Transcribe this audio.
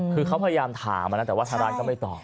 คือเขาพยายามถามนะแต่ว่าทางร้านก็ไม่ตอบ